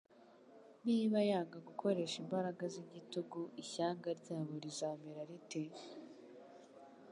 Niba yanga gukoresha imbaraga z'igitugu ishyanga ryabo rizamera rite?